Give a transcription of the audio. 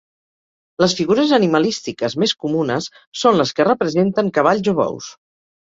Les figures animalístiques més comunes són les que representen cavalls o bous.